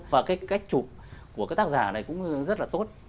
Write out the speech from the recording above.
và cái cách chụp của các tác giả này cũng rất là tốt